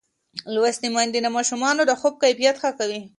لوستې میندې د ماشومانو د خوب کیفیت ښه کوي.